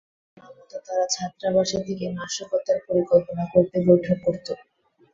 তবে আমার জানা মতে, তাঁরা ছাত্রাবাসে থেকে নাশকতার পরিকল্পনা করতে বৈঠক করত।